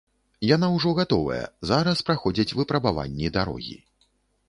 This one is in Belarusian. Яна ўжо гатовая, зараз праходзяць выпрабаванні дарогі.